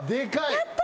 やった！